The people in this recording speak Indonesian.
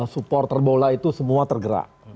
supporter bola itu semua tergerak